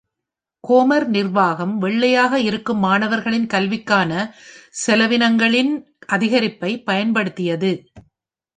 கோமர் நிர்வாகம், வெள்ளையாக இருக்கும் மாணவர்களின் கல்விக்கான செலவினங்களின் அதிகரிப்பைப் பயன்படுத்தியது.